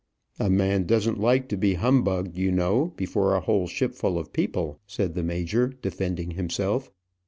"A man doesn't like to be humbugged, you know, before a whole shipful of people," said the major, defending himself.